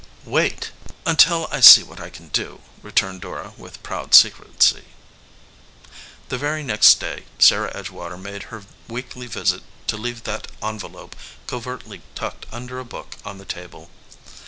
"Wait until I see what I can do," returned Dora with proud secrecy. The very next day Sarah Edgewater made her weekly visit to leave that envelope covertly tucked under a book on the table.